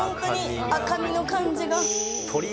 赤身の感じが。